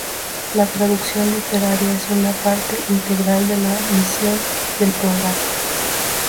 La traducción literaria es una parte integral de la misión del Programa.